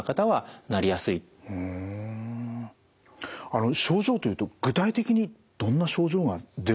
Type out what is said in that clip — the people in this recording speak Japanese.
あの症状というと具体的にどんな症状が出るもんなんですか？